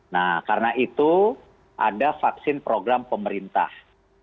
nah karena itu ada vaksin program pemerintah